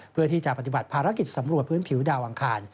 เพื่อที่จะปฏิบัติภารกิจสำรวจพื้นผิวดาวอังคาร